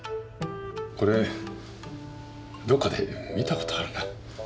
これどっかで見たことあるな。